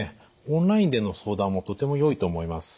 オンラインでの相談もとてもよいと思います。